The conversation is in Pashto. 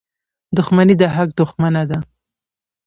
• دښمني د حق دښمنه ده.